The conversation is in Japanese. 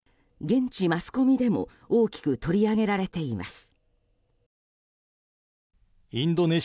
現地マスコミでも大きく取り上げられています。